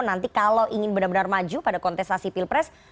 nanti kalau ingin benar benar maju pada kontestasi pilpres